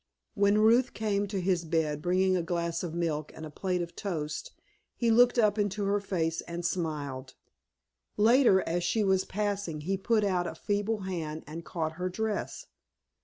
When Ruth came to his bed bringing a glass of milk and a plate of toast he looked up into her face and smiled. Later, as she was passing he put out a feeble hand and caught her dress.